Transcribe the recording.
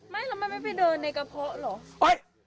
ไม่เราไม่ได้ไปเดินในกระโพะหรอก